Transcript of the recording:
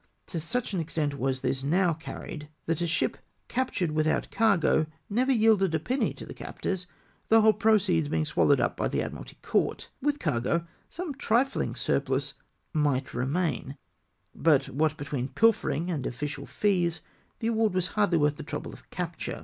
To such an extent was this now carried, that a ship captm ed without cargo never yielded a penny to the captors, the whole proceeds being swallowed up by the Admiralty Court. With cargo, some trifling surplus might remain, but what between pilfering and official fees, the award was hardly worth the trouble of capture.